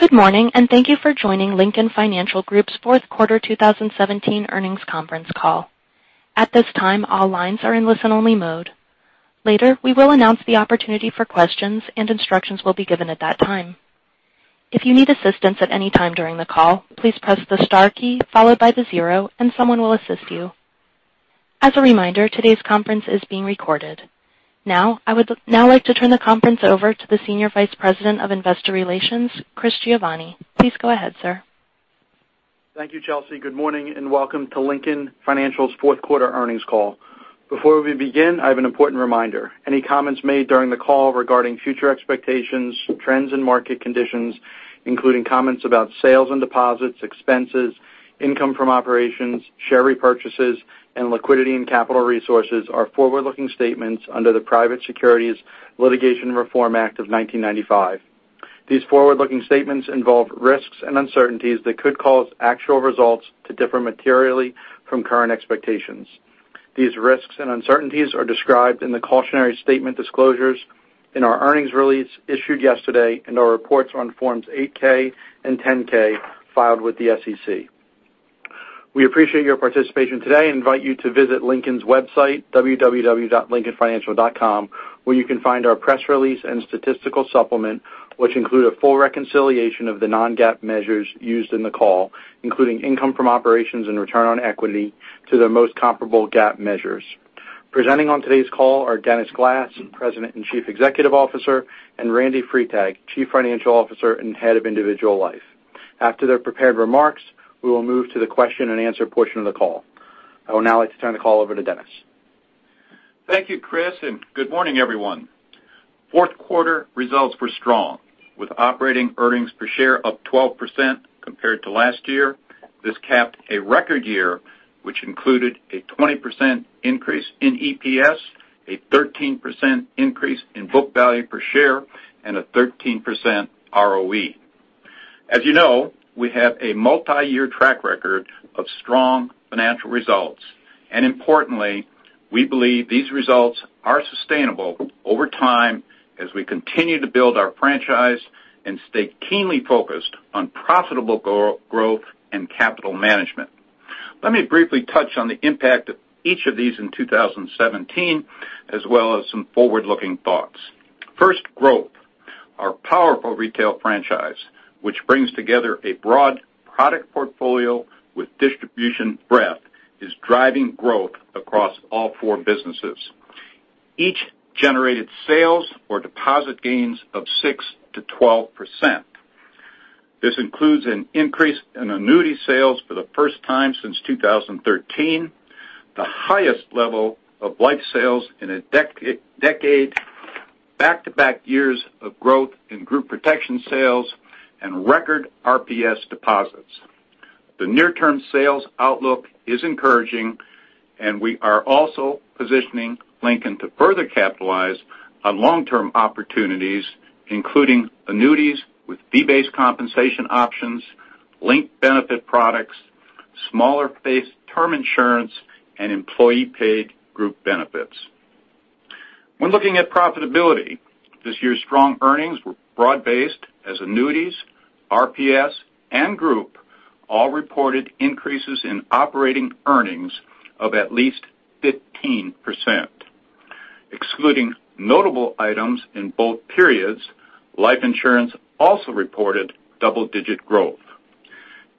Good morning, thank you for joining Lincoln Financial Group's fourth quarter 2017 earnings conference call. At this time, all lines are in listen-only mode. Later, we will announce the opportunity for questions, and instructions will be given at that time. If you need assistance at any time during the call, please press the star key followed by the zero and someone will assist you. As a reminder, today's conference is being recorded. I would now like to turn the conference over to the Senior Vice President of Investor Relations, Christopher Giovanni. Please go ahead, sir. Thank you, Chelsea. Good morning and welcome to Lincoln Financial's fourth quarter earnings call. Before we begin, I have an important reminder. Any comments made during the call regarding future expectations, trends, and market conditions, including comments about sales and deposits, expenses, income from operations, share repurchases, and liquidity and capital resources are forward-looking statements under the Private Securities Litigation Reform Act of 1995. These forward-looking statements involve risks and uncertainties that could cause actual results to differ materially from current expectations. These risks and uncertainties are described in the cautionary statement disclosures in our earnings release issued yesterday and our reports on Forms 8-K and 10-K filed with the SEC. We appreciate your participation today and invite you to visit Lincoln's website, www.lincolnfinancial.com, where you can find our press release and statistical supplement, which include a full reconciliation of the non-GAAP measures used in the call, including income from operations and return on equity to their most comparable GAAP measures. Presenting on today's call are Dennis Glass, President and Chief Executive Officer, and Randy Freitag, Chief Financial Officer and Head of Individual Life. After their prepared remarks, we will move to the question and answer portion of the call. I would now like to turn the call over to Dennis. Thank you, Chris, good morning, everyone. Fourth quarter results were strong, with operating earnings per share up 12% compared to last year. This capped a record year, which included a 20% increase in EPS, a 13% increase in book value per share, and a 13% ROE. As you know, we have a multiyear track record of strong financial results, importantly, we believe these results are sustainable over time as we continue to build our franchise and stay keenly focused on profitable growth and capital management. Let me briefly touch on the impact of each of these in 2017, as well as some forward-looking thoughts. First, growth. Our powerful retail franchise, which brings together a broad product portfolio with distribution breadth, is driving growth across all four businesses. Each generated sales or deposit gains of 6%-12%. This includes an increase in annuity sales for the first time since 2013, the highest level of life sales in a decade, back-to-back years of growth in Group Protection sales, and record RPS deposits. The near-term sales outlook is encouraging, and we are also positioning Lincoln to further capitalize on long-term opportunities, including annuities with fee-based compensation options, linked benefit products, smaller fee term insurance, and employee-paid group benefits. When looking at profitability, this year's strong earnings were broad-based as annuities, RPS, and Group all reported increases in operating earnings of at least 15%. Excluding notable items in both periods, life insurance also reported double-digit growth.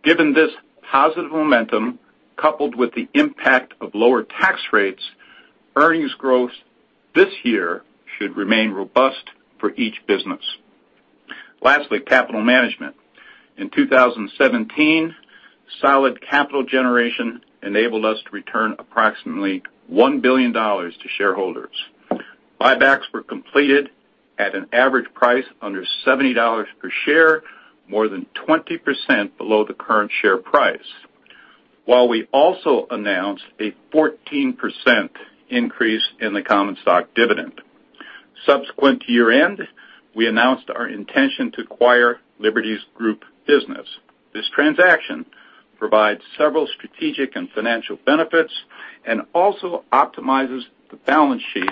Given this positive momentum, coupled with the impact of lower tax rates, earnings growth this year should remain robust for each business. Lastly, capital management. In 2017, solid capital generation enabled us to return approximately $1 billion to shareholders. Buybacks were completed at an average price under $70 per share, more than 20% below the current share price. We also announced a 14% increase in the common stock dividend. Subsequent to year-end, we announced our intention to acquire Liberty's Group business. This transaction provides several strategic and financial benefits and also optimizes the balance sheet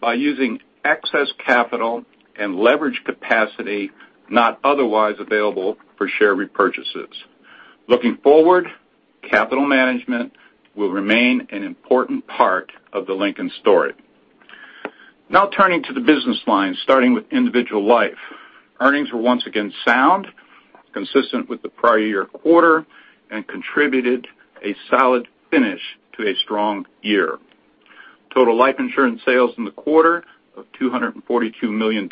by using excess capital and leverage capacity not otherwise available for share repurchases. Looking forward, capital management will remain an important part of the Lincoln story. Now turning to the business lines, starting with Individual Life. Earnings were once again sound, consistent with the prior year quarter, and contributed a solid finish to a strong year. Total life insurance sales in the quarter of $242 million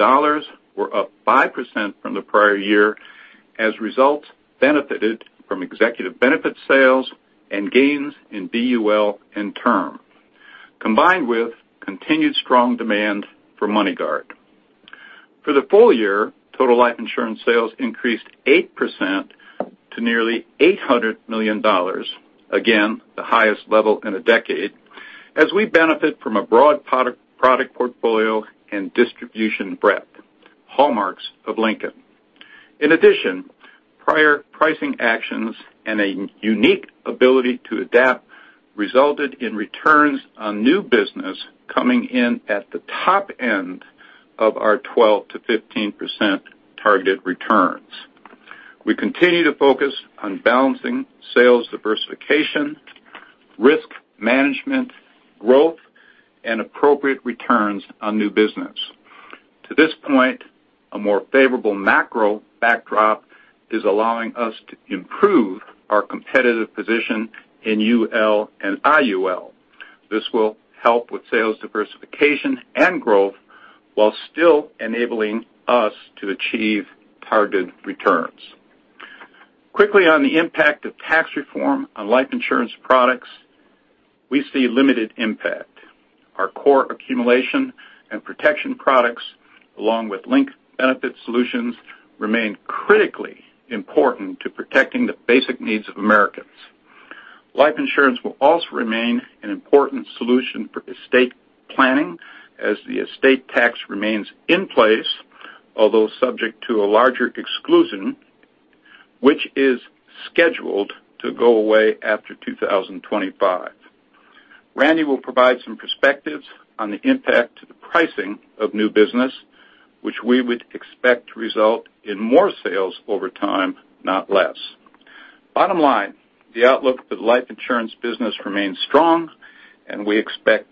were up 5% from the prior year as results benefited from Executive Benefit sales and gains in VUL and Term, combined with continued strong demand for MoneyGuard. For the full year, total life insurance sales increased 8% to nearly $800 million, again, the highest level in a decade, as we benefit from a broad product portfolio and distribution breadth, hallmarks of Lincoln. In addition, prior pricing actions and a unique ability to adapt resulted in returns on new business coming in at the top end of our 12%-15% target returns. We continue to focus on balancing sales diversification, risk management, growth, and appropriate returns on new business. To this point, a more favorable macro backdrop is allowing us to improve our competitive position in UL and IUL. This will help with sales diversification and growth while still enabling us to achieve targeted returns. Quickly on the impact of tax reform on life insurance products, we see limited impact. Our core accumulation and protection products, along with linked benefit solutions, remain critically important to protecting the basic needs of Americans. Life insurance will also remain an important solution for estate planning as the estate tax remains in place, although subject to a larger exclusion, which is scheduled to go away after 2025. Randy will provide some perspectives on the impact to the pricing of new business, which we would expect to result in more sales over time, not less. Bottom line, the outlook for the life insurance business remains strong, and we expect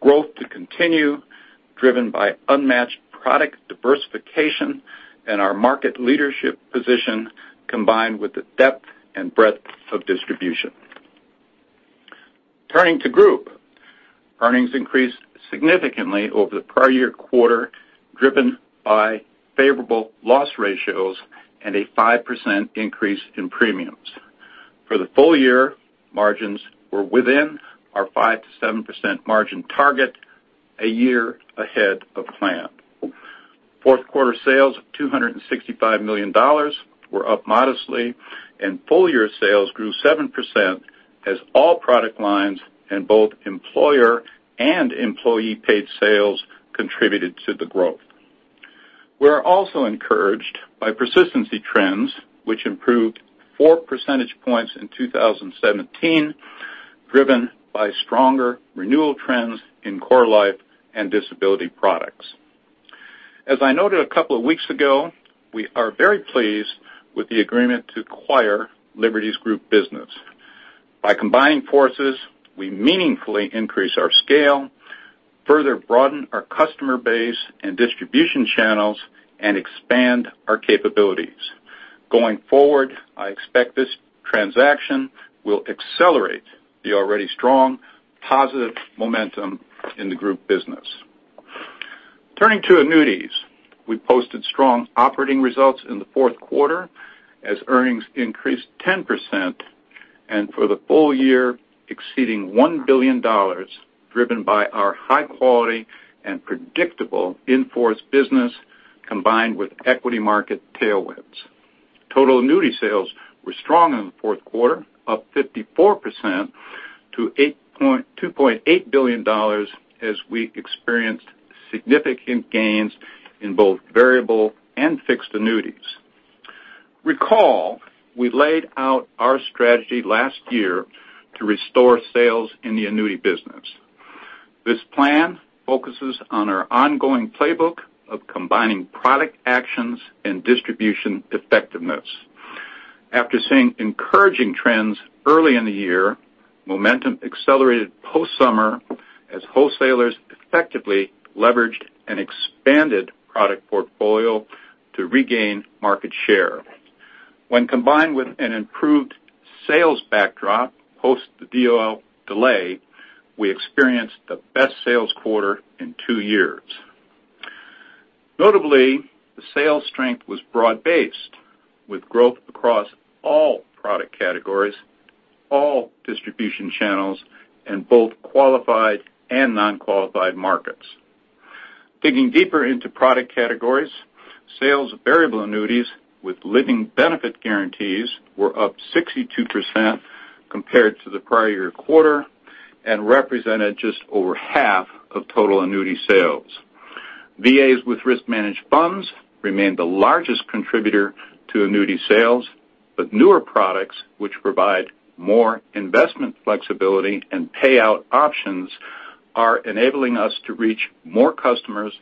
growth to continue, driven by unmatched product diversification and our market leadership position, combined with the depth and breadth of distribution. Turning to Group. Earnings increased significantly over the prior year quarter, driven by favorable loss ratios and a 5% increase in premiums. For the full year, margins were within our 5%-7% margin target a year ahead of plan. Fourth quarter sales of $265 million were up modestly, and full-year sales grew 7% as all product lines and both employer and employee-paid sales contributed to the growth. We are also encouraged by persistency trends, which improved four percentage points in 2017, driven by stronger renewal trends in core life and disability products. As I noted a couple of weeks ago, we are very pleased with the agreement to acquire Liberty's group business. By combining forces, we meaningfully increase our scale, further broaden our customer base and distribution channels, and expand our capabilities. Going forward, I expect this transaction will accelerate the already strong, positive momentum in the group business. Turning to annuities. We posted strong operating results in the fourth quarter as earnings increased 10%, and for the full year, exceeding $1 billion, driven by our high quality and predictable in-force business, combined with equity market tailwinds. Total annuity sales were strong in the fourth quarter, up 54% to $2.8 billion, as we experienced significant gains in both variable and fixed annuities. Recall, we laid out our strategy last year to restore sales in the annuity business. This plan focuses on our ongoing playbook of combining product actions and distribution effectiveness. After seeing encouraging trends early in the year, momentum accelerated post-summer as wholesalers effectively leveraged an expanded product portfolio to regain market share. When combined with an improved sales backdrop post the DOL delay, we experienced the best sales quarter in two years. Notably, the sales strength was broad-based, with growth across all product categories, all distribution channels, and both qualified and non-qualified markets. Digging deeper into product categories, sales of Variable Annuities with living benefit guarantees were up 62% compared to the prior year quarter and represented just over half of total annuity sales. VAs with risk-managed funds remain the largest contributor to annuity sales, but newer products which provide more investment flexibility and payout options are enabling us to reach more customers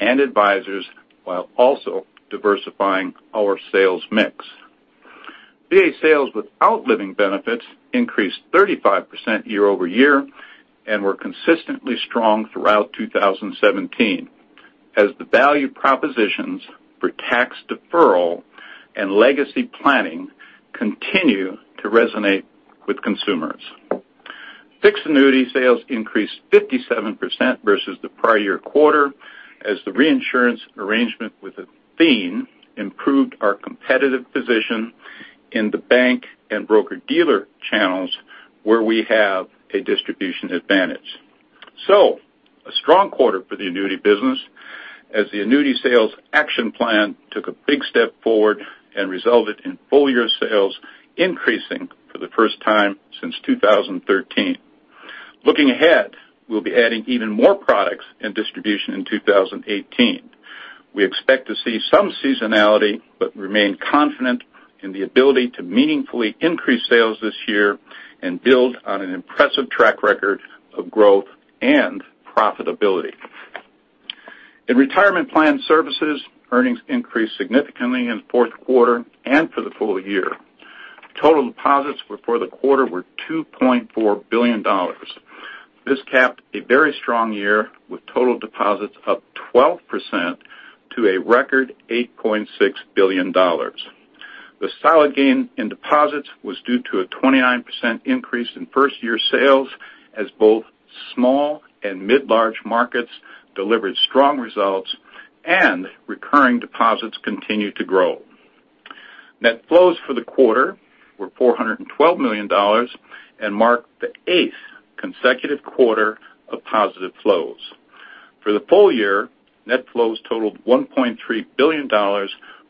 and advisors while also diversifying our sales mix. VA sales without living benefits increased 35% year-over-year and were consistently strong throughout 2017, as the value propositions for tax deferral and legacy planning continue to resonate with consumers. Fixed annuity sales increased 57% versus the prior year quarter as the reinsurance arrangement with Athene improved our competitive position in the bank and broker-dealer channels where we have a distribution advantage. A strong quarter for the annuity business as the annuity sales action plan took a big step forward and resulted in full-year sales increasing for the first time since 2013. Looking ahead, we'll be adding even more products and distribution in 2018. We expect to see some seasonality, remain confident in the ability to meaningfully increase sales this year and build on an impressive track record of growth and profitability. In retirement plan services, earnings increased significantly in the fourth quarter and for the full year. Total deposits for the quarter were $2.4 billion. This capped a very strong year, with total deposits up 12% to a record $8.6 billion. The solid gain in deposits was due to a 29% increase in first-year sales as both small and mid-large markets delivered strong results, and recurring deposits continued to grow. Net flows for the quarter were $412 million and marked the eighth consecutive quarter of positive flows. For the full year, net flows totaled $1.3 billion,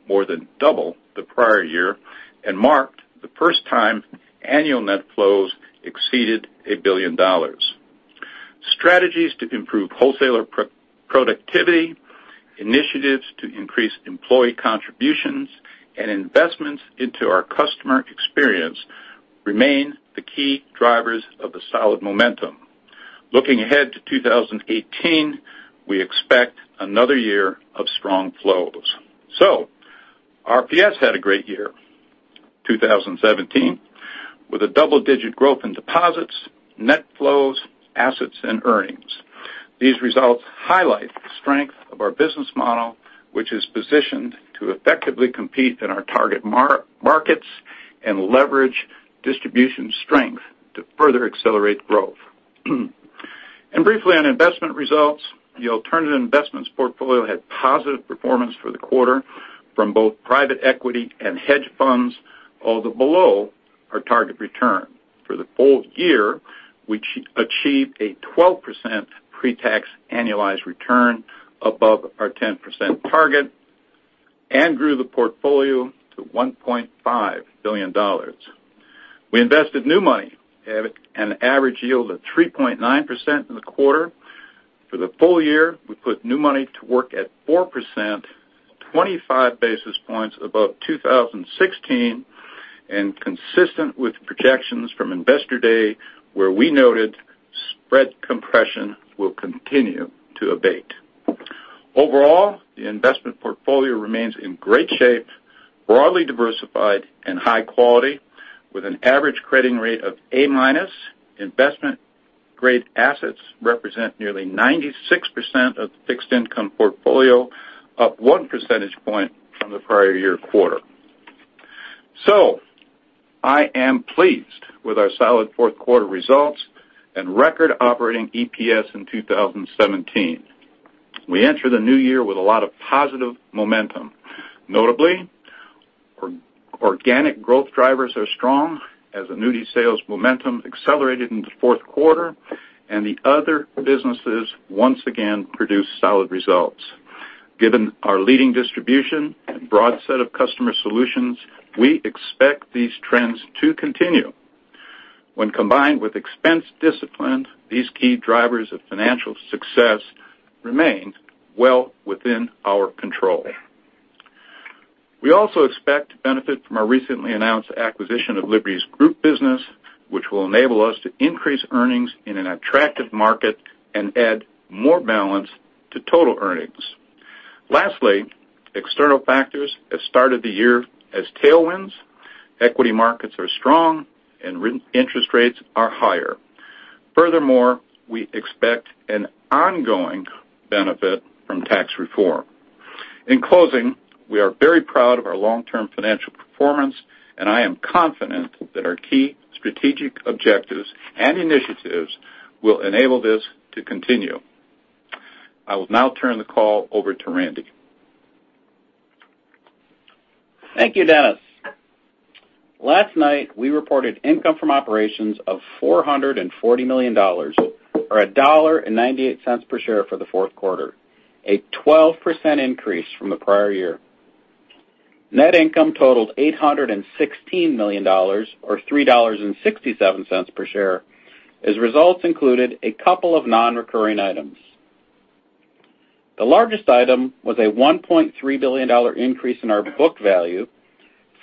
more than double the prior year, and marked the first time annual net flows exceeded $1 billion. Strategies to improve wholesaler productivity, initiatives to increase employee contributions, and investments into our customer experience remain the key drivers of the solid momentum. Looking ahead to 2018, we expect another year of strong flows. RPS had a great year, 2017, with a double-digit growth in deposits, net flows, assets, and earnings. These results highlight the strength of our business model, which is positioned to effectively compete in our target markets and leverage distribution strength to further accelerate growth. Briefly on investment results, the alternative investments portfolio had positive performance for the quarter from both private equity and hedge funds, although below our target return. For the full year, we achieved a 12% pre-tax annualized return above our 10% target and grew the portfolio to $1.5 billion. We invested new money at an average yield of 3.9% in the quarter. For the full year, we put new money to work at 4%, 25 basis points above 2016 and consistent with projections from Investor Day, where we noted spread compression will continue to abate. Overall, the investment portfolio remains in great shape, broadly diversified and high quality, with an average crediting rate of A-minus. Investment grade assets represent nearly 96% of the fixed income portfolio, up one percentage point from the prior year quarter. I am pleased with our solid fourth quarter results and record operating EPS in 2017. We enter the new year with a lot of positive momentum. Notably, organic growth drivers are strong as annuity sales momentum accelerated in the fourth quarter and the other businesses once again produced solid results. Given our leading distribution and broad set of customer solutions, we expect these trends to continue. When combined with expense discipline, these key drivers of financial success remain well within our control. We also expect to benefit from our recently announced acquisition of Liberty's Group business, which will enable us to increase earnings in an attractive market and add more balance to total earnings. Lastly, external factors have started the year as tailwinds, equity markets are strong, and interest rates are higher. Furthermore, we expect an ongoing benefit from tax reform. In closing, we are very proud of our long-term financial performance, and I am confident that our key strategic objectives and initiatives will enable this to continue. I will now turn the call over to Randy. Thank you, Dennis. Last night, we reported income from operations of $440 million or $1.98 per share for the fourth quarter, a 12% increase from the prior year. Net income totaled $816 million, or $3.67 per share, as results included a couple of non-recurring items. The largest item was a $1.3 billion increase in our book value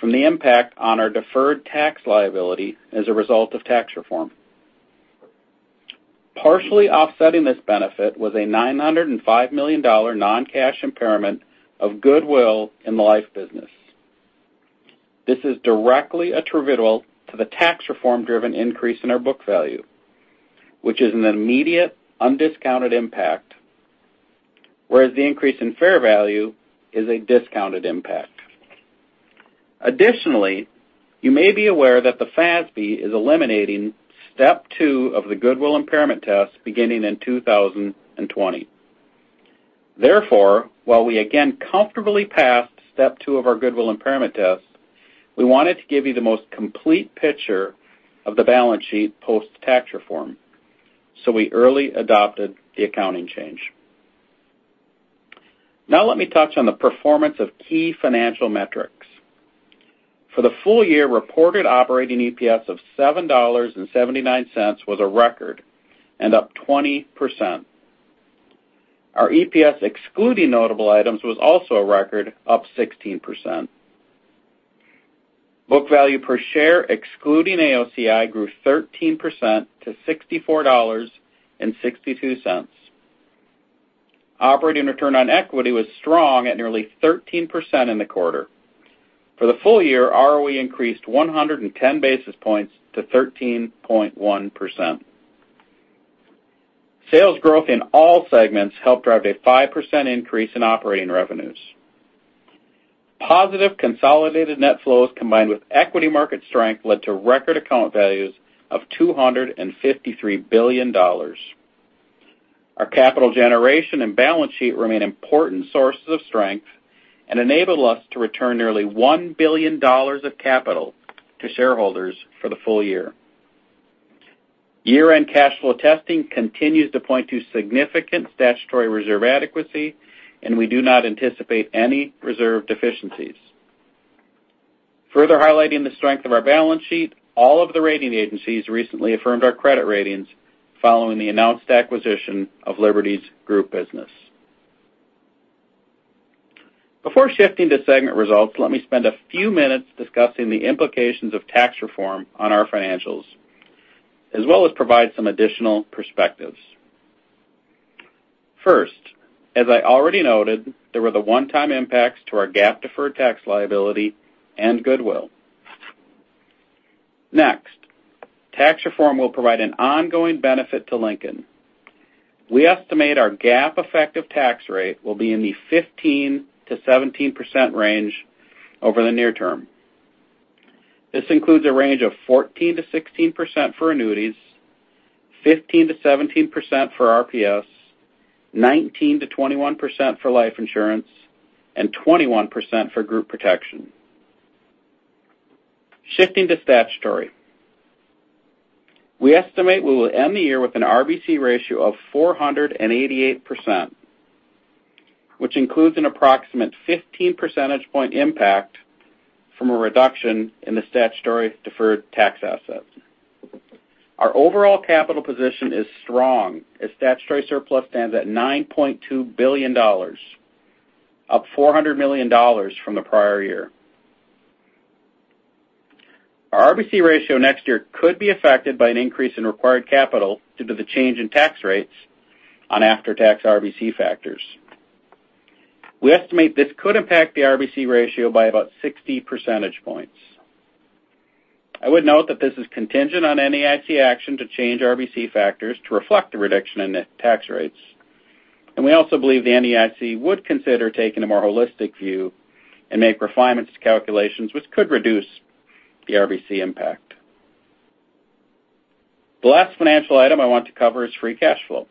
from the impact on our deferred tax liability as a result of tax reform. Partially offsetting this benefit was a $905 million non-cash impairment of goodwill in the life business. This is directly attributable to the tax reform-driven increase in our book value, which is an immediate undiscounted impact, whereas the increase in fair value is a discounted impact. Additionally, you may be aware that the FASB is eliminating step 2 of the goodwill impairment test beginning in 2020. While we again comfortably passed step 2 of our goodwill impairment test, we wanted to give you the most complete picture of the balance sheet post-tax reform, we early adopted the accounting change. Let me touch on the performance of key financial metrics. For the full year, reported operating EPS of $7.79 was a record and up 20%. Our EPS excluding notable items was also a record, up 16%. Book value per share excluding AOCI grew 13% to $64.62. Operating return on equity was strong at nearly 13% in the quarter. For the full year, ROE increased 110 basis points to 13.1%. Sales growth in all segments helped drive a 5% increase in operating revenues. Positive consolidated net flows, combined with equity market strength, led to record account values of $253 billion. Our capital generation and balance sheet remain important sources of strength and enabled us to return nearly $1 billion of capital to shareholders for the full year. Year-end cash flow testing continues to point to significant statutory reserve adequacy, we do not anticipate any reserve deficiencies. Further highlighting the strength of our balance sheet, all of the rating agencies recently affirmed our credit ratings following the announced acquisition of Liberty's group business. Before shifting to segment results, let me spend a few minutes discussing the implications of tax reform on our financials, as well as provide some additional perspectives. As I already noted, there were the one-time impacts to our GAAP deferred tax liability and goodwill. Tax reform will provide an ongoing benefit to Lincoln. We estimate our GAAP effective tax rate will be in the 15%-17% range over the near term. This includes a range of 14%-16% for annuities, 15%-17% for RPS, 19%-21% for life insurance, and 21% for group protection. Shifting to statutory. We estimate we will end the year with an RBC ratio of 488%, which includes an approximate 15 percentage point impact from a reduction in the statutory deferred tax asset. Our overall capital position is strong, as statutory surplus stands at $9.2 billion, up $400 million from the prior year. Our RBC ratio next year could be affected by an increase in required capital due to the change in tax rates on after-tax RBC factors. We estimate this could impact the RBC ratio by about 60 percentage points. I would note that this is contingent on NAIC action to change RBC factors to reflect the reduction in net tax rates, and we also believe the NAIC would consider taking a more holistic view and make refinements to calculations which could reduce the RBC impact. The last financial item I want to cover is free cash flow.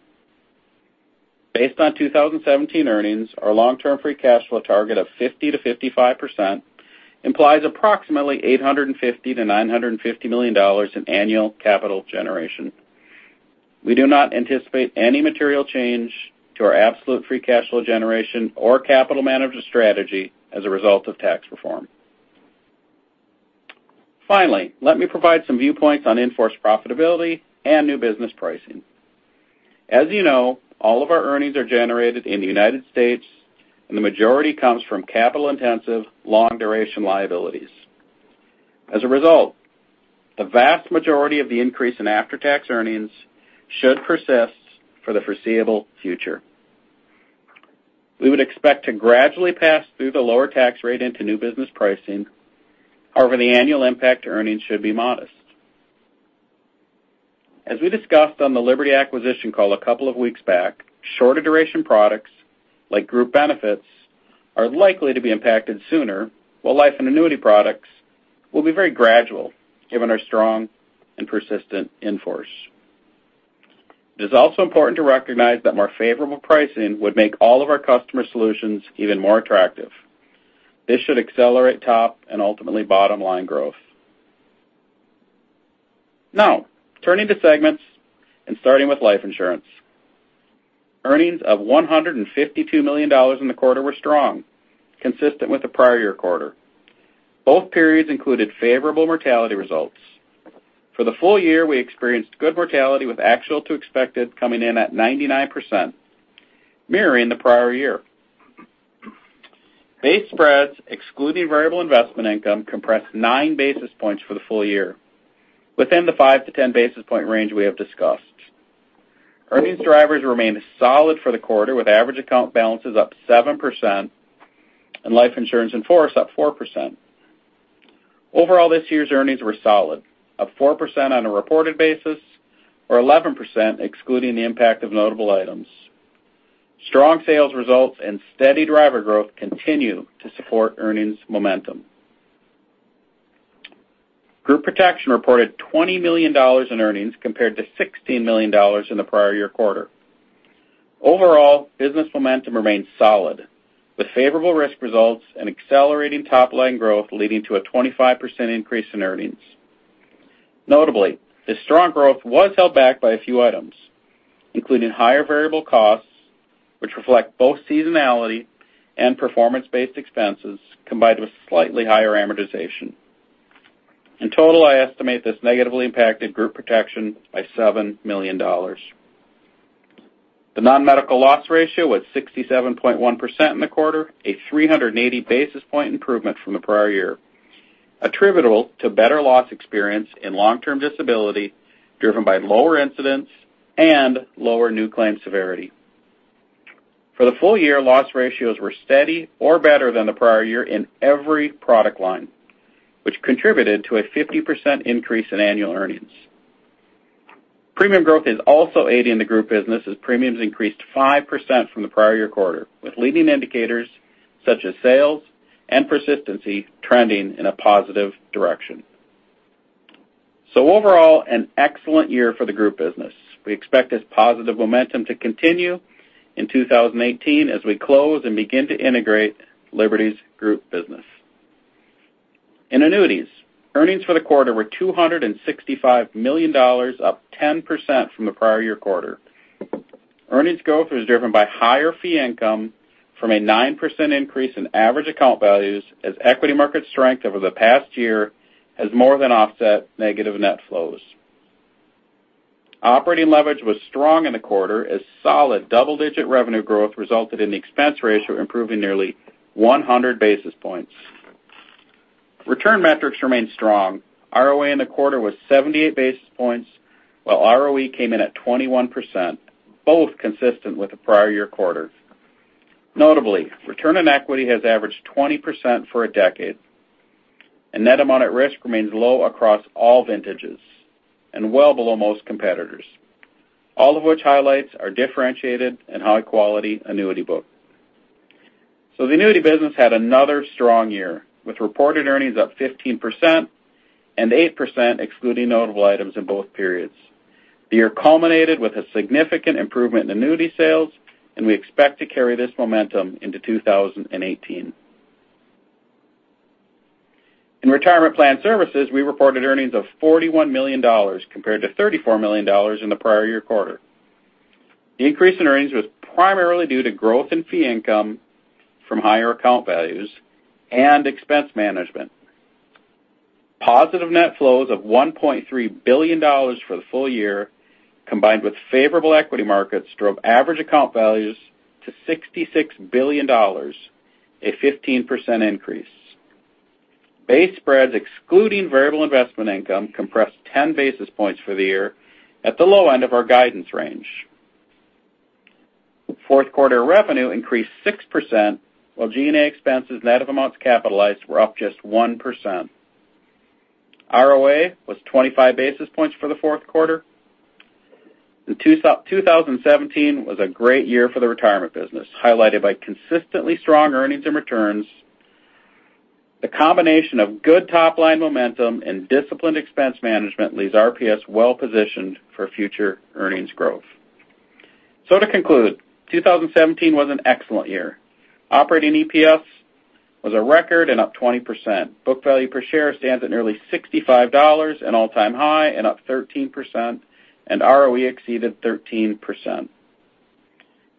Based on 2017 earnings, our long-term free cash flow target of 50%-55% implies approximately $850 million-$950 million in annual capital generation. We do not anticipate any material change to our absolute free cash flow generation or capital management strategy as a result of tax reform. Finally, let me provide some viewpoints on in-force profitability and new business pricing. As you know, all of our earnings are generated in the U.S., and the majority comes from capital-intensive, long-duration liabilities. As a result, the vast majority of the increase in after-tax earnings should persist for the foreseeable future. We would expect to gradually pass through the lower tax rate into new business pricing. However, the annual impact to earnings should be modest. As we discussed on the Liberty acquisition call a couple of weeks back, shorter duration products, like group benefits, are likely to be impacted sooner, while life and annuity products will be very gradual given our strong and persistent in-force. It is also important to recognize that more favorable pricing would make all of our customer solutions even more attractive. This should accelerate top and ultimately bottom-line growth. Now, turning to segments and starting with life insurance. Earnings of $152 million in the quarter were strong, consistent with the prior year quarter. Both periods included favorable mortality results. For the full year, we experienced good mortality, with actual to expected coming in at 99%, mirroring the prior year. Base spreads, excluding variable investment income, compressed nine basis points for the full year, within the 5-10 basis point range we have discussed. Earnings drivers remained solid for the quarter, with average account balances up 7% and life insurance in-force up 4%. Overall, this year's earnings were solid, up 4% on a reported basis or 11% excluding the impact of notable items. Strong sales results and steady driver growth continue to support earnings momentum. Group protection reported $20 million in earnings compared to $16 million in the prior year quarter. Overall, business momentum remains solid, with favorable risk results and accelerating top-line growth leading to a 25% increase in earnings. Notably, this strong growth was held back by a few items, including higher variable costs, which reflect both seasonality and performance-based expenses, combined with slightly higher amortization. In total, I estimate this negatively impacted group protection by $7 million. The non-medical loss ratio was 67.1% in the quarter, a 380 basis point improvement from the prior year, attributable to better loss experience in long-term disability, driven by lower incidence and lower new claim severity. For the full year, loss ratios were steady or better than the prior year in every product line, which contributed to a 50% increase in annual earnings. Premium growth is also aiding the group business, as premiums increased 5% from the prior year quarter, with leading indicators such as sales and persistency trending in a positive direction. Overall, an excellent year for the group business. We expect this positive momentum to continue in 2018 as we close and begin to integrate Liberty's group business. In annuities, earnings for the quarter were $265 million, up 10% from the prior year quarter. Earnings growth was driven by higher fee income from a 9% increase in average account values as equity market strength over the past year has more than offset negative net flows. Operating leverage was strong in the quarter as solid double-digit revenue growth resulted in the expense ratio improving nearly 100 basis points. Return metrics remained strong. ROA in the quarter was 78 basis points, while ROE came in at 21%, both consistent with the prior year quarter. Notably, return on equity has averaged 20% for a decade, and net amount at risk remains low across all vintages and well below most competitors, all of which highlights our differentiated and high-quality annuity book. The annuity business had another strong year, with reported earnings up 15% and 8% excluding notable items in both periods. The year culminated with a significant improvement in annuity sales, and we expect to carry this momentum into 2018. In retirement plan services, we reported earnings of $41 million compared to $34 million in the prior year quarter. The increase in earnings was primarily due to growth in fee income from higher account values and expense management. Positive net flows of $1.3 billion for the full year, combined with favorable equity markets, drove average account values to $66 billion, a 15% increase. Base spreads excluding variable investment income compressed 10 basis points for the year at the low end of our guidance range. Fourth quarter revenue increased 6%, while G&A expenses net of amounts capitalized were up just 1%. ROA was 25 basis points for the fourth quarter. 2017 was a great year for the retirement business, highlighted by consistently strong earnings and returns. The combination of good top-line momentum and disciplined expense management leaves RPS well-positioned for future earnings growth. To conclude, 2017 was an excellent year. Operating EPS was a record and up 20%. Book value per share stands at nearly $65, an all-time high and up 13%, and ROE exceeded 13%.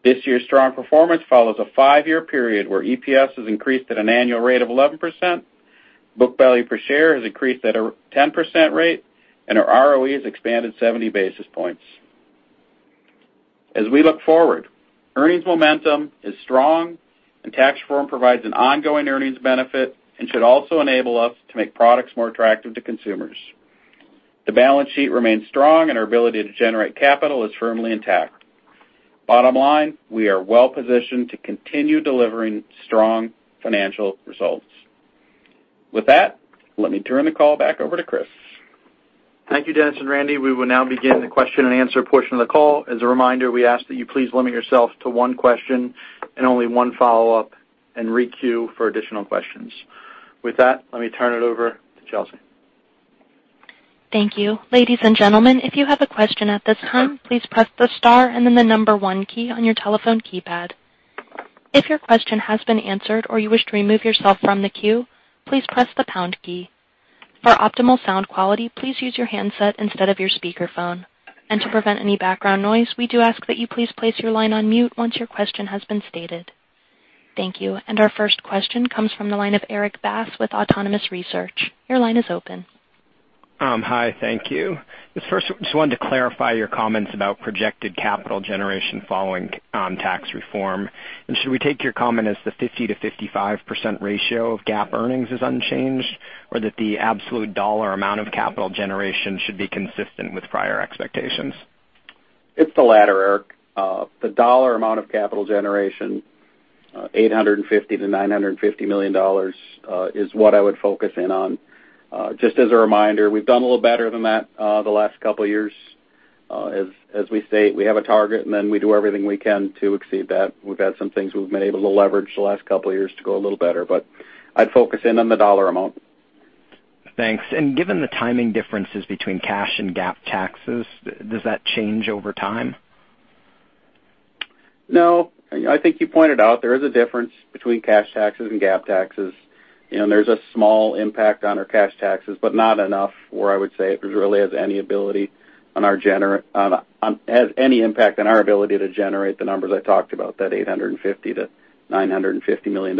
This year's strong performance follows a five-year period where EPS has increased at an annual rate of 11%, book value per share has increased at a 10% rate, and our ROE has expanded 70 basis points. As we look forward, earnings momentum is strong and tax reform provides an ongoing earnings benefit and should also enable us to make products more attractive to consumers. The balance sheet remains strong and our ability to generate capital is firmly intact. Bottom line, we are well-positioned to continue delivering strong financial results. With that, let me turn the call back over to Chris. Thank you, Dennis and Randy. We will now begin the question and answer portion of the call. As a reminder, we ask that you please limit yourself to one question and only one follow-up and re-queue for additional questions. With that, let me turn it over to Chelsea. Thank you. Ladies and gentlemen, if you have a question at this time, please press the star and then the 1 key on your telephone keypad. If your question has been answered or you wish to remove yourself from the queue, please press the pound key. For optimal sound quality, please use your handset instead of your speakerphone. To prevent any background noise, we do ask that you please place your line on mute once your question has been stated. Thank you. Our first question comes from the line of Erik Bass with Autonomous Research. Your line is open. Hi, thank you. Just first, just wanted to clarify your comments about projected capital generation following tax reform. Should we take your comment as the 50%-55% ratio of GAAP earnings is unchanged, or that the absolute dollar amount of capital generation should be consistent with prior expectations? It's the latter, Erik. The dollar amount of capital generation, $850 million-$950 million, is what I would focus in on. Just as a reminder, we've done a little better than that the last couple years. As we state, we have a target and then we do everything we can to exceed that. We've had some things we've been able to leverage the last couple years to go a little better, but I'd focus in on the dollar amount. Thanks. Given the timing differences between cash and GAAP taxes, does that change over time? No. I think you pointed out there is a difference between cash taxes and GAAP taxes. There's a small impact on our cash taxes, but not enough where I would say it really has any impact on our ability to generate the numbers I talked about, that $850 million-$950 million.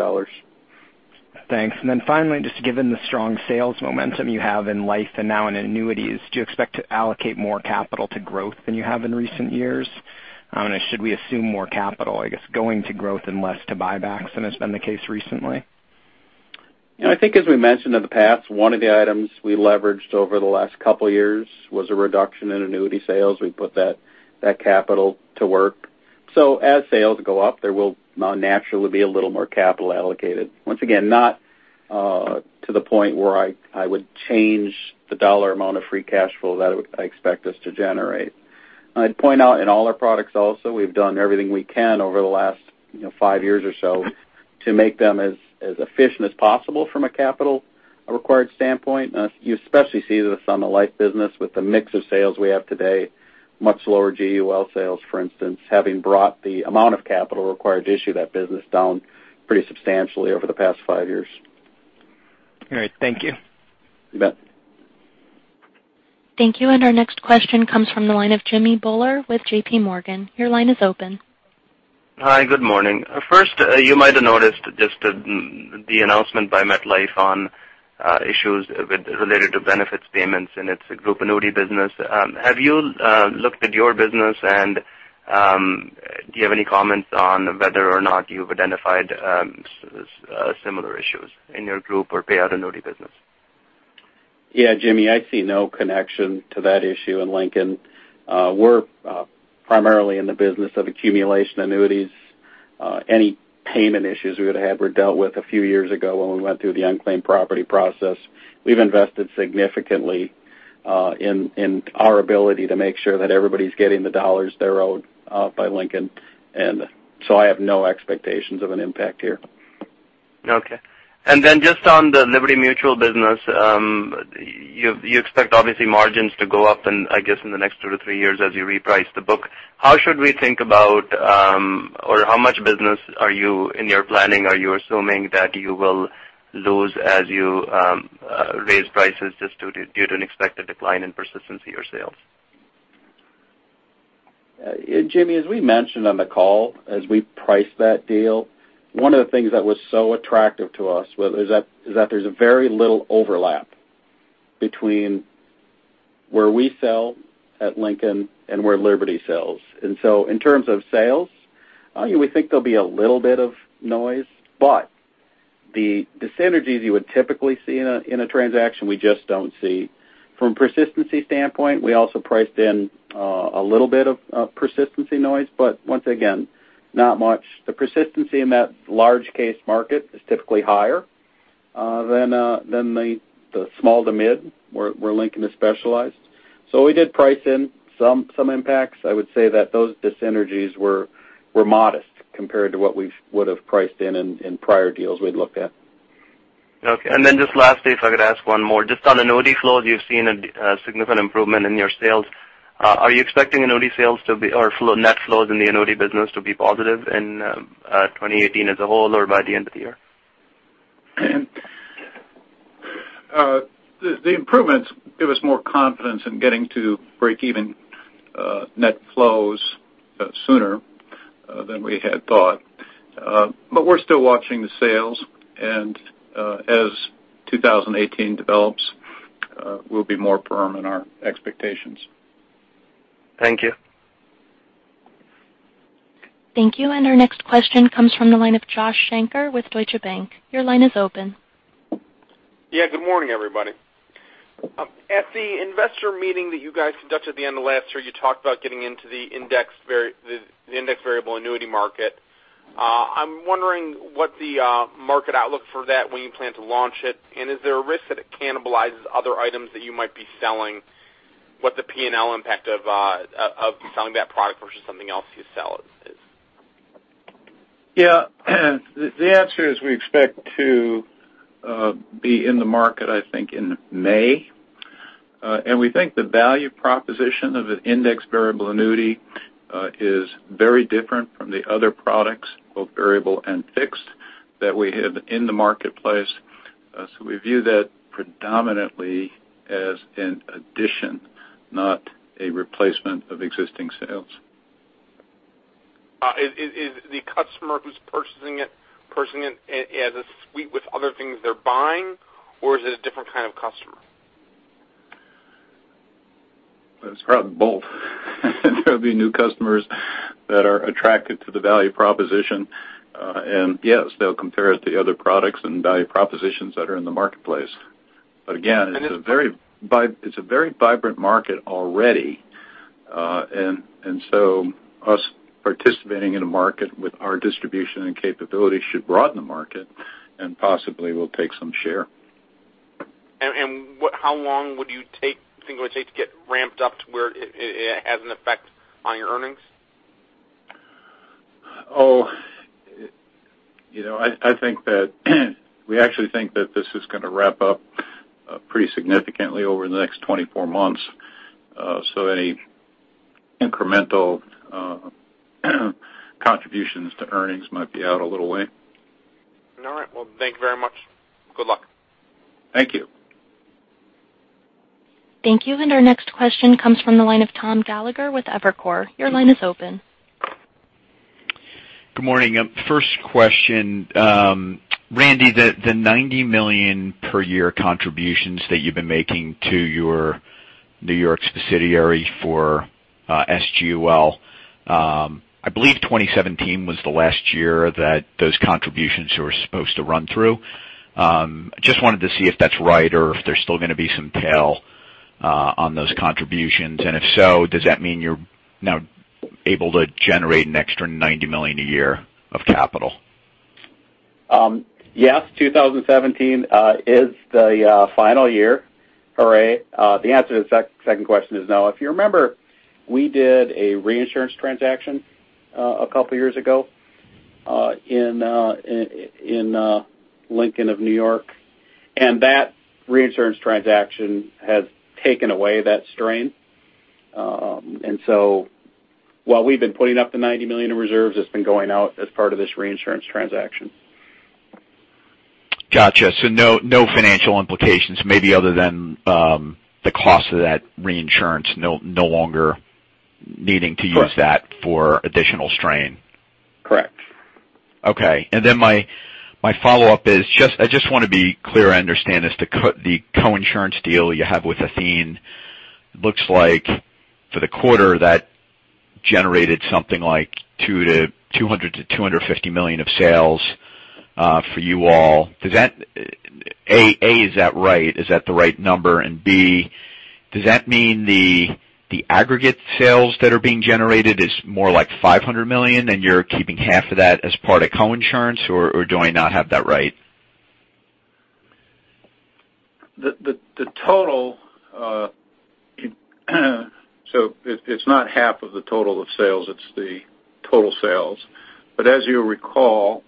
Thanks. Finally, just given the strong sales momentum you have in life and now in annuities, do you expect to allocate more capital to growth than you have in recent years? Should we assume more capital, I guess, going to growth and less to buybacks than has been the case recently? I think as we mentioned in the past, one of the items we leveraged over the last couple of years was a reduction in annuity sales. We put that capital to work. As sales go up, there will naturally be a little more capital allocated. Once again, not to the point where I would change the dollar amount of free cash flow that I expect us to generate. I'd point out in all our products also, we've done everything we can over the last five years or so to make them as efficient as possible from a capital required standpoint. You especially see this on the life business with the mix of sales we have today, much lower GUL sales, for instance, having brought the amount of capital required to issue that business down pretty substantially over the past five years. All right. Thank you. You bet. Thank you. Our next question comes from the line of Jimmy Bhoola with JP Morgan. Your line is open. Hi, good morning. First, you might have noticed just the announcement by MetLife on issues related to benefits payments in its group annuity business. Have you looked at your business, and do you have any comments on whether or not you've identified similar issues in your group or payout annuity business? Yeah, Jimmy, I see no connection to that issue in Lincoln. We're primarily in the business of accumulation annuities. Any payment issues we would have had were dealt with a few years ago when we went through the unclaimed property process. We've invested significantly in our ability to make sure that everybody's getting the dollars they're owed by Lincoln. I have no expectations of an impact here. Okay. Just on the Liberty Mutual business, you expect, obviously, margins to go up in, I guess, in the next two to three years as you reprice the book. How should we think about, or how much business are you, in your planning, are you assuming that you will lose as you raise prices just due to an expected decline in persistency or sales? Jimmy, as we mentioned on the call, as we priced that deal, one of the things that was so attractive to us was that there's a very little overlap between where we sell at Lincoln and where Liberty sells. In terms of sales, we think there'll be a little bit of noise, but the synergies you would typically see in a transaction, we just don't see. From persistency standpoint, we also priced in a little bit of persistency noise, but once again, not much. The persistency in that large case market is typically higher than the small to mid where Lincoln is specialized. We did price in some impacts. I would say that those synergies were modest compared to what we would have priced in in prior deals we'd looked at. Okay. Just lastly, if I could ask one more. Just on annuity flows, you've seen a significant improvement in your sales. Are you expecting net flows in the annuity business to be positive in 2018 as a whole or by the end of the year? The improvements give us more confidence in getting to break even net flows sooner than we had thought. We're still watching the sales and as 2018 develops, we'll be more firm in our expectations. Thank you. Thank you. Our next question comes from the line of Joshua Shanker with Deutsche Bank. Your line is open. Yeah. Good morning, everybody. At the investor meeting that you guys conducted at the end of last year, you talked about getting into the index variable annuity market. I'm wondering what the market outlook for that, when you plan to launch it, and is there a risk that it cannibalizes other items that you might be selling, what the P&L impact of selling that product versus something else you sell is? Yeah. The answer is we expect to be in the market, I think, in May. We think the value proposition of an index variable annuity is very different from the other products, both variable and fixed, that we have in the marketplace. We view that predominantly as an addition, not a replacement of existing sales. Is the customer who's purchasing it as a suite with other things they're buying, or is it a different kind of customer? It's probably both. There'll be new customers that are attracted to the value proposition. Yes, they'll compare it to other products and value propositions that are in the marketplace. Again, it's a very vibrant market already. Us participating in a market with our distribution and capability should broaden the market and possibly we'll take some share. How long would you think it would take to get ramped up to where it has an effect on your earnings? I think that we actually think that this is going to ramp up pretty significantly over the next 24 months. Any incremental contributions to earnings might be out a little way. All right. Well, thank you very much. Good luck. Thank you. Thank you. Our next question comes from the line of Thomas Gallagher with Evercore. Your line is open. Good morning. First question. Randy, the $90 million per year contributions that you've been making to your New York subsidiary for SGUL, I believe 2017 was the last year that those contributions were supposed to run through. Just wanted to see if that's right or if there's still going to be some tail on those contributions, and if so, does that mean you're now able to generate an extra $90 million a year of capital? Yes, 2017 is the final year, Erik. The answer to the second question is no. If you remember, we did a reinsurance transaction a couple years ago in Lincoln of New York, and that reinsurance transaction has taken away that strain. While we've been putting up the $90 million in reserves, it's been going out as part of this reinsurance transaction. Got you. No financial implications, maybe other than the cost of that reinsurance, no longer needing to use that for additional strain. Correct. Okay. My follow-up is, I just want to be clear I understand this, the co-insurance deal you have with Athene looks like for the quarter that generated something like $200 million-$250 million of sales for you all. A, is that right? Is that the right number? B, does that mean the aggregate sales that are being generated is more like $500 million and you're keeping half of that as part of co-insurance, or do I not have that right? The total, it's not half of the total of sales, it's the total sales. As you recall,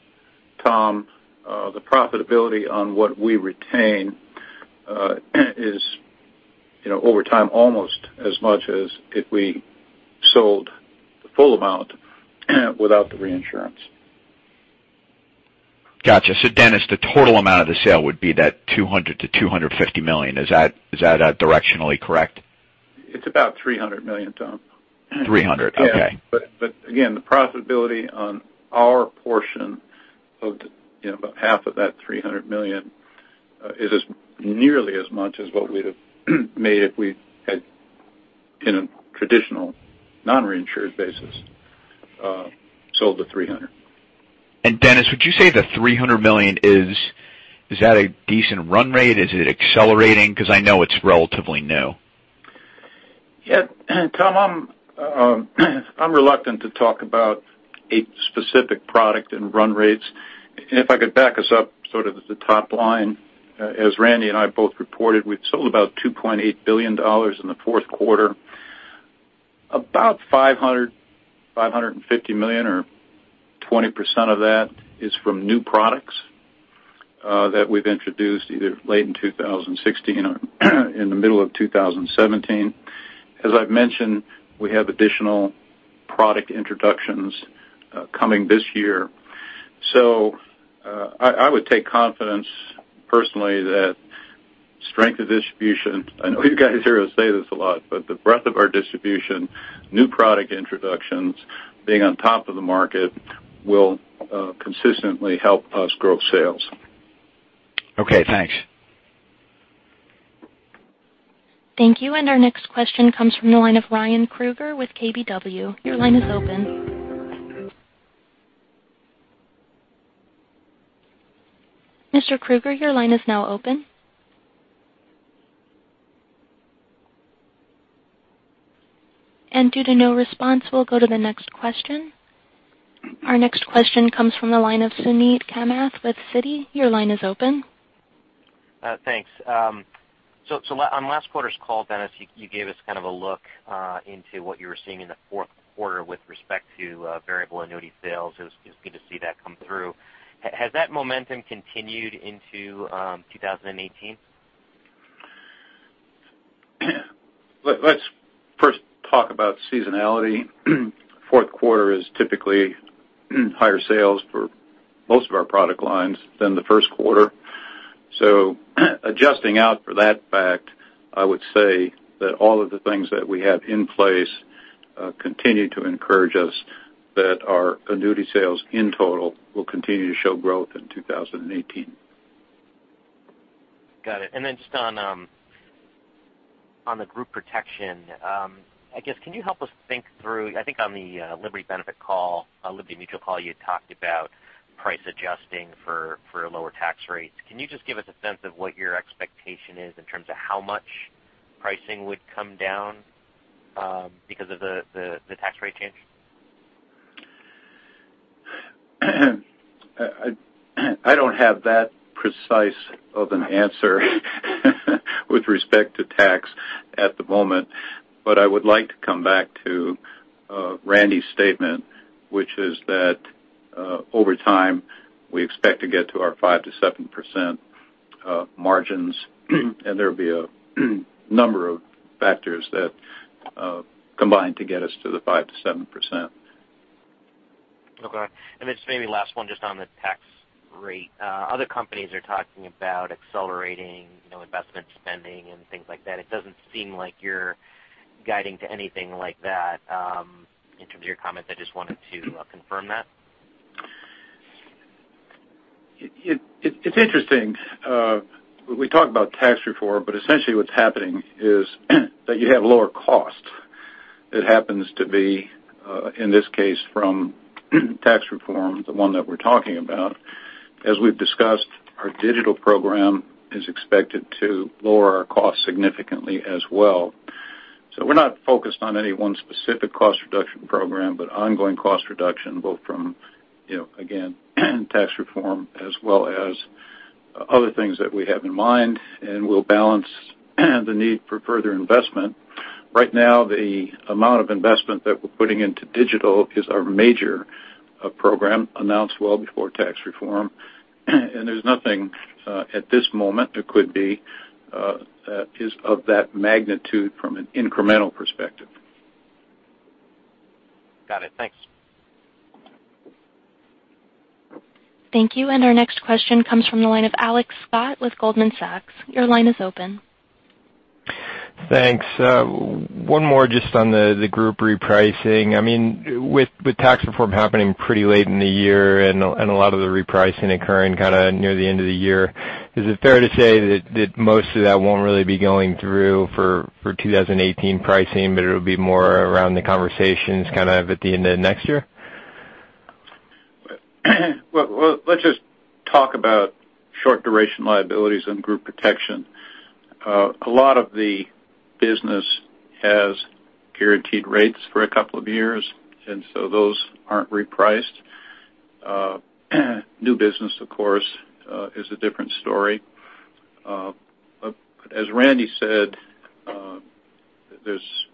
Tom, the profitability on what we retain is over time almost as much as if we sold the full amount without the reinsurance. Got you. Dennis, the total amount of the sale would be that $200 million-$250 million. Is that directionally correct? It's about $300 million, Tom. $300, okay. Yeah. Again, the profitability on our portion of about half of that $300 million is nearly as much as what we'd have made if we had in a traditional non-reinsured basis, sold the $300. Dennis, would you say the $300 million, is that a decent run rate? Is it accelerating? Because I know it's relatively new. Yeah. Tom, I'm reluctant to talk about a specific product and run rates. If I could back us up sort of at the top line, as Randy and I both reported, we've sold about $2.8 billion in the fourth quarter. About $500 million, $550 million or 20% of that is from new products that we've introduced either late in 2016 or in the middle of 2017. As I've mentioned, we have additional product introductions coming this year. I would take confidence personally that strength of distribution, I know you guys hear us say this a lot, but the breadth of our distribution, new product introductions, being on top of the market will consistently help us grow sales. Okay, thanks. Thank you. Our next question comes from the line of Ryan Krueger with KBW. Your line is open. Mr. Krueger, your line is now open. Due to no response, we'll go to the next question. Our next question comes from the line of Suneet Kamath with Citi. Your line is open. Thanks. On last quarter's call, Dennis, you gave us kind of a look into what you were seeing in the fourth quarter with respect to Variable Annuity sales. It was good to see that come through. Has that momentum continued into 2018? Let's first talk about seasonality. Fourth quarter is typically higher sales for most of our product lines than the first quarter. Adjusting out for that fact, I would say that all of the things that we have in place continue to encourage us that our annuity sales in total will continue to show growth in 2018. Got it. Then just on the group protection, I guess, can you help us think through, I think on the Liberty Mutual call, you had talked about price adjusting for lower tax rates. Can you just give us a sense of what your expectation is in terms of how much pricing would come down because of the tax rate change? I don't have that precise of an answer with respect to tax at the moment, but I would like to come back to Randy's statement, which is that over time, we expect to get to our 5%-7% margins, and there'll be a number of factors that combine to get us to the 5%-7%. Okay. Just maybe last one, just on the tax rate. Other companies are talking about accelerating investment spending and things like that. It doesn't seem like you're guiding to anything like that in terms of your comments. I just wanted to confirm that. It's interesting. We talk about tax reform, essentially what's happening is that you have lower costs. It happens to be, in this case, from tax reform, the one that we're talking about. As we've discussed, our digital program is expected to lower our costs significantly as well. We're not focused on any one specific cost reduction program, but ongoing cost reduction, both from, again, tax reform as well as other things that we have in mind, and we'll balance the need for further investment. Right now, the amount of investment that we're putting into digital is our major program, announced well before tax reform. There's nothing at this moment, there could be, is of that magnitude from an incremental perspective. Got it. Thanks. Thank you. Our next question comes from the line of Alex Scott with Goldman Sachs. Your line is open. Thanks. One more just on the group repricing. With tax reform happening pretty late in the year and a lot of the repricing occurring kind of near the end of the year, is it fair to say that most of that won't really be going through for 2018 pricing, but it'll be more around the conversations kind of at the end of next year? Let's just talk about short-duration liabilities and group protection. A lot of the business has guaranteed rates for a couple of years, and so those aren't repriced. New business, of course, is a different story. As Randy said, there's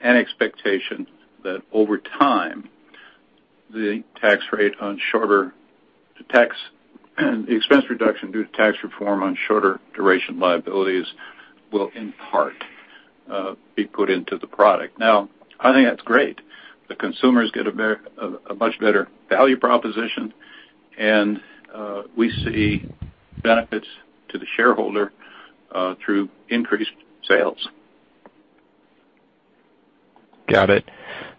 an expectation that over time, the expense reduction due to tax reform on shorter duration liabilities will in part be put into the product. I think that's great. The consumers get a much better value proposition, and we see benefits to the shareholder through increased sales. Got it.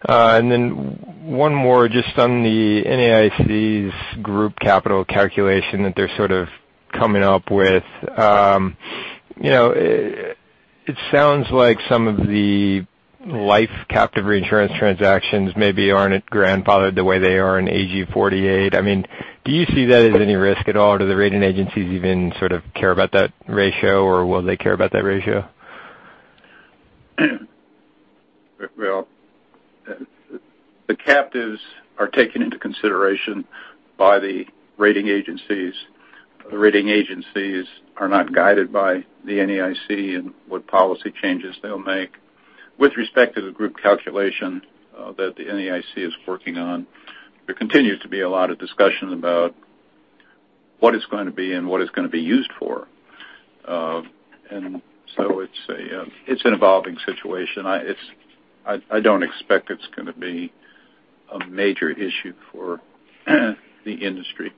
One more just on the NAIC's group capital calculation that they're sort of coming up with. It sounds like some of the life captive reinsurance transactions maybe aren't grandfathered the way they are in AG 48. Do you see that as any risk at all? Do the rating agencies even sort of care about that ratio, or will they care about that ratio? Well, the captives are taken into consideration by the rating agencies. The rating agencies are not guided by the NAIC and what policy changes they'll make. With respect to the group calculation that the NAIC is working on, there continues to be a lot of discussion about what it's going to be and what it's going to be used for. It's an evolving situation. I don't expect it's going to be a major issue for the industry.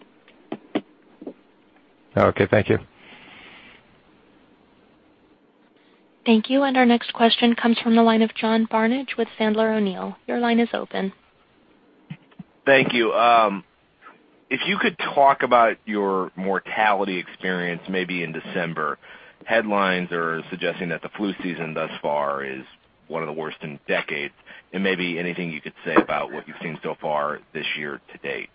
Okay. Thank you. Thank you. Our next question comes from the line of John Barnidge with Sandler O'Neill. Your line is open. Thank you. If you could talk about your mortality experience maybe in December. Headlines are suggesting that the flu season thus far is one of the worst in decades, and maybe anything you could say about what you've seen so far this year to date.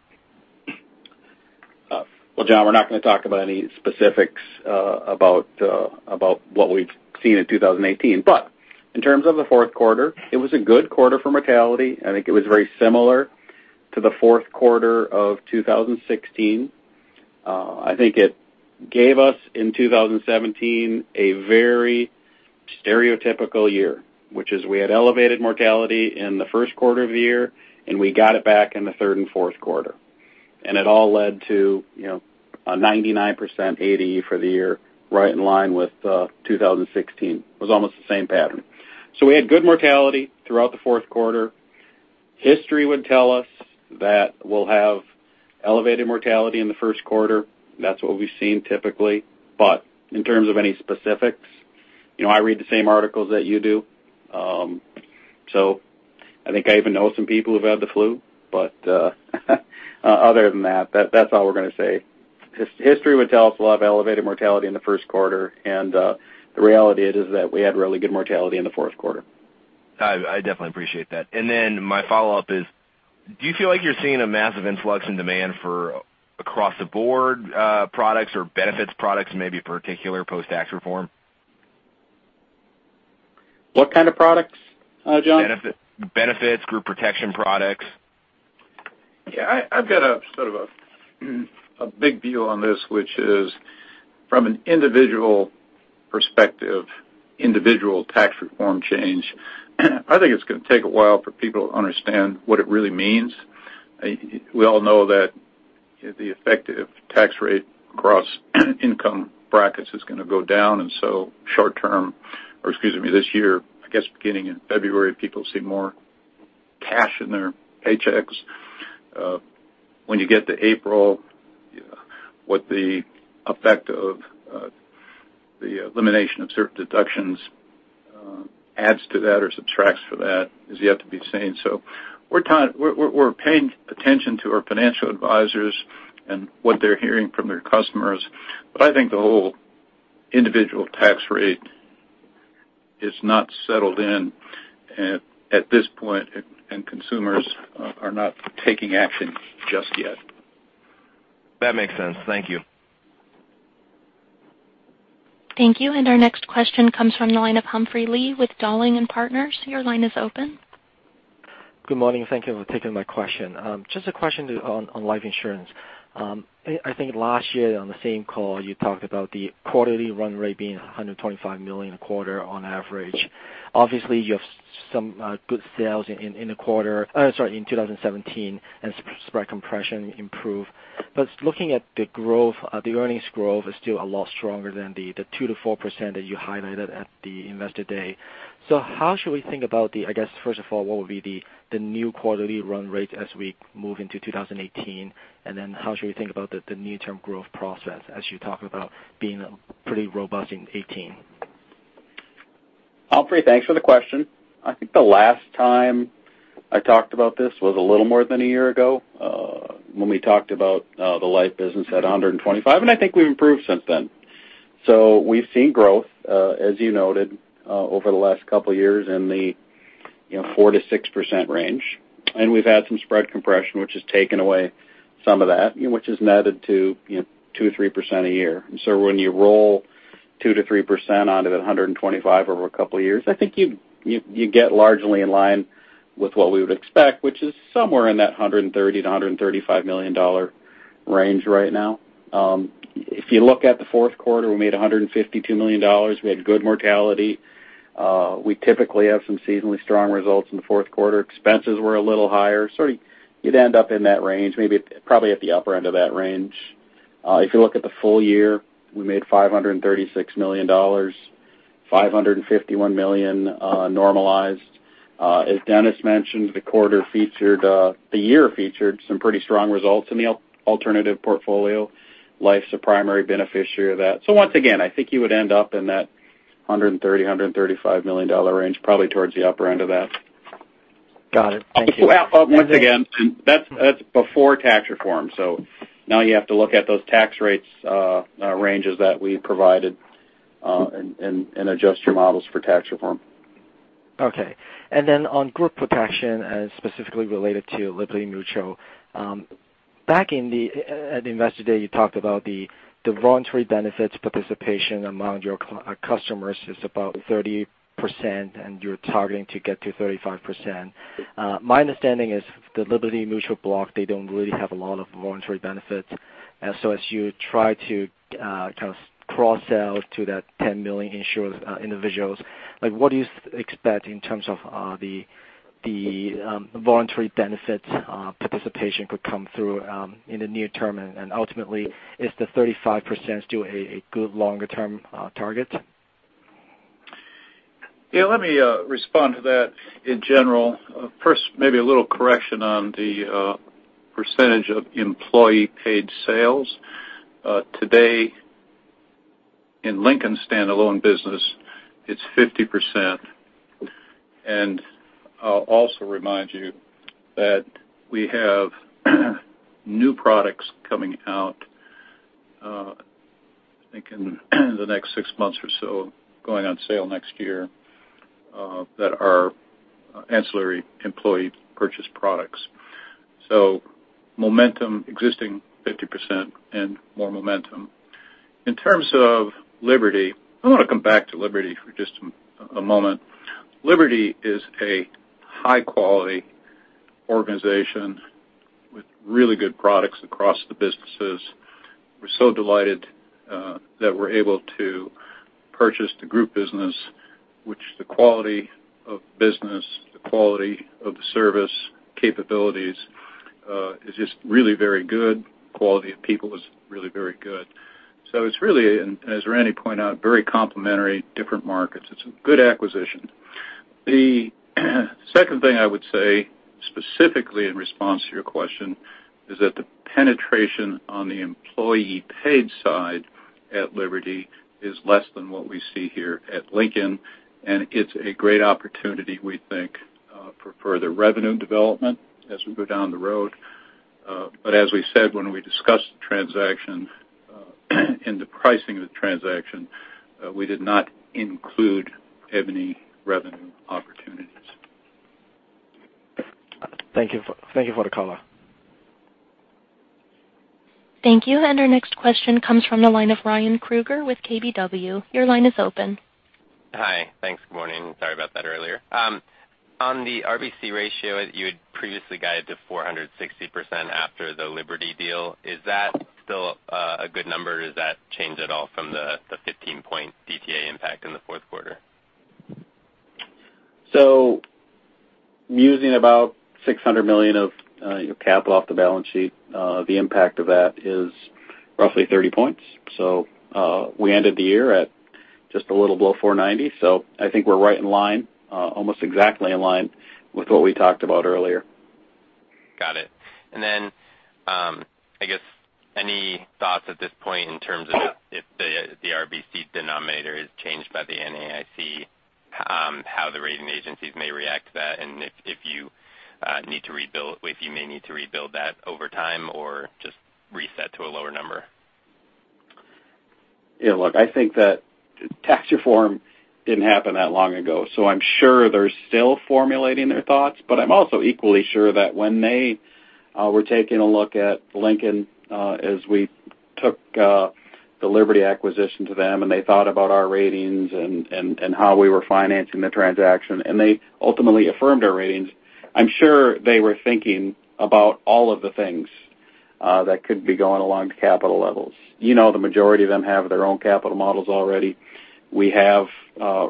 Well, John, we're not going to talk about any specifics about what we've seen in 2018. In terms of the fourth quarter, it was a good quarter for mortality. I think it was very similar to the fourth quarter of 2016. I think it gave us, in 2017, a very stereotypical year, which is we had elevated mortality in the first quarter of the year, and we got it back in the third and fourth quarter. It all led to a 99% ADE for the year, right in line with 2016. It was almost the same pattern. We had good mortality throughout the fourth quarter. History would tell us that we'll have elevated mortality in the first quarter. That's what we've seen typically. In terms of any specifics, I read the same articles that you do. I think I even know some people who've had the flu. Other than that's all we're going to say. History would tell us we'll have elevated mortality in the first quarter, and the reality is that we had really good mortality in the fourth quarter. I definitely appreciate that. My follow-up is, do you feel like you're seeing a massive influx in demand for across-the-board products or benefits products, maybe particular post-tax reform? What kind of products, John? Benefits, Group Protection products Yeah, I've got sort of a big view on this, which is from an individual perspective, individual tax reform change, I think it's going to take a while for people to understand what it really means. We all know that the effective tax rate across income brackets is going to go down, short-term, or excuse me, this year, I guess beginning in February, people see more cash in their paychecks. When you get to April, what the effect of the elimination of certain deductions adds to that or subtracts for that is yet to be seen. We're paying attention to our financial advisors and what they're hearing from their customers. I think the whole individual tax rate is not settled in at this point, and consumers are not taking action just yet. That makes sense. Thank you. Thank you. Our next question comes from the line of Humphrey Lee with Dowling & Partners. Your line is open. Good morning. Thank you for taking my question. Just a question on life insurance. I think last year on the same call, you talked about the quarterly run rate being $125 million a quarter on average. Obviously, you have some good sales in 2017 and spread compression improved. Looking at the earnings growth is still a lot stronger than the 2%-4% that you highlighted at the investor day. How should we think about the, first of all, what will be the new quarterly run rate as we move into 2018? How should we think about the near-term growth process as you talk about being pretty robust in 2018? Humphrey, thanks for the question. I think the last time I talked about this was a little more than a year ago, when we talked about the life business at $125 million, and I think we've improved since then. We've seen growth, as you noted, over the last couple of years in the 4%-6% range. We've had some spread compression, which has taken away some of that, which has netted to 2% or 3% a year. When you roll 2%-3% onto that $125 million over a couple of years, I think you get largely in line with what we would expect, which is somewhere in that $130 million-$135 million range right now. If you look at the fourth quarter, we made $152 million. We had good mortality. We typically have some seasonally strong results in the fourth quarter. Expenses were a little higher, so you'd end up in that range, maybe probably at the upper end of that range. If you look at the full year, we made $536 million, $551 million normalized. As Dennis mentioned, the year featured some pretty strong results in the alternative portfolio. Life's a primary beneficiary of that. Once again, I think you would end up in that $130 million-$135 million range, probably towards the upper end of that. Got it. Thank you. Once again, that's before tax reform. Now you have to look at those tax rates ranges that we provided and adjust your models for tax reform. Okay. On group protection, specifically related to Liberty Mutual, back at Investor Day, you talked about the voluntary benefits participation among your customers is about 30%, and you're targeting to get to 35%. My understanding is the Liberty Mutual block, they don't really have a lot of voluntary benefits. As you try to kind of cross sell to that 10 million insured individuals, what do you expect in terms of the voluntary benefits participation could come through in the near term? Ultimately, is the 35% still a good longer-term target? Yeah, let me respond to that in general. First, maybe a little correction on the percentage of employee-paid sales. Today in Lincoln standalone business, it's 50%. I'll also remind you that we have new products coming out, I think in the next six months or so, going on sale next year, that are ancillary employee purchase products. Momentum existing 50% and more momentum. In terms of Liberty, I want to come back to Liberty for just a moment. Liberty is a high-quality organization with really good products across the businesses. We're so delighted that we're able to purchase the group business, which the quality of business, the quality of the service capabilities is just really very good. Quality of people is really very good. It's really, as Randy pointed out, very complementary, different markets. It's a good acquisition. The second thing I would say, specifically in response to your question, is that the penetration on the employee-paid side at Liberty is less than what we see here at Lincoln, it's a great opportunity, we think, for further revenue development as we go down the road. As we said when we discussed the transaction and the pricing of the transaction, we did not include any revenue opportunities. Thank you for the call. Thank you. Our next question comes from the line of Ryan Krueger with KBW. Your line is open. Hi. Thanks. Good morning. Sorry about that earlier. On the RBC ratio, you had previously guided to 460% after the Liberty deal. Is that still a good number, or does that change at all from the 15-point DTA impact in the fourth quarter? Using about $600 million of cap off the balance sheet, the impact of that is roughly 30 points. We ended the year at just a little below 490. I think we're right in line, almost exactly in line with what we talked about earlier. Got it. I guess any thoughts at this point in terms of if the RBC denominator is changed by the NAIC, how the rating agencies may react to that, and if you may need to rebuild that over time or just reset to a lower number? Yeah, look, I think that tax reform didn't happen that long ago, I'm sure they're still formulating their thoughts. I'm also equally sure that when they were taking a look at Lincoln as we took the Liberty acquisition to them, they thought about our ratings and how we were financing the transaction, they ultimately affirmed our ratings. I'm sure they were thinking about all of the things that could be going along to capital levels. The majority of them have their own capital models already. We have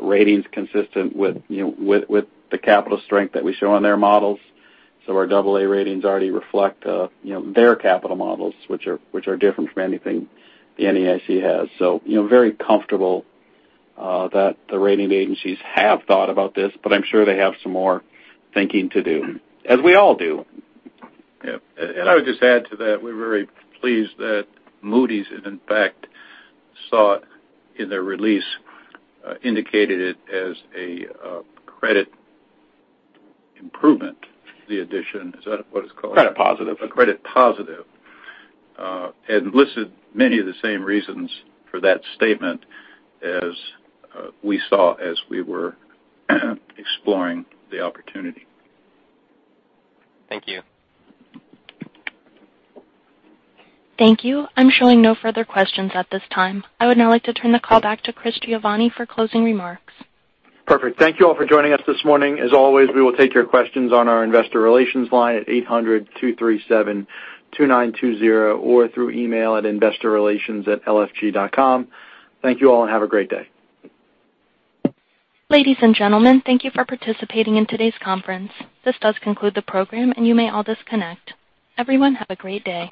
ratings consistent with the capital strength that we show on their models. Our double A ratings already reflect their capital models, which are different from anything the NAIC has. Very comfortable that the rating agencies have thought about this, but I'm sure they have some more thinking to do, as we all do. Yeah. I would just add to that, we're very pleased that Moody's has in fact sought in their release, indicated it as a credit improvement, the addition. Is that what it's called? Credit positive. A credit positive. Listed many of the same reasons for that statement as we saw as we were exploring the opportunity. Thank you. Thank you. I'm showing no further questions at this time. I would now like to turn the call back to Christopher Giovanni for closing remarks. Perfect. Thank you all for joining us this morning. As always, we will take your questions on our investor relations line at 800-237-2920 or through email at investorrelations@lfg.com. Thank you all and have a great day. Ladies and gentlemen, thank you for participating in today's conference. This does conclude the program, and you may all disconnect. Everyone, have a great day.